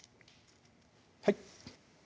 はい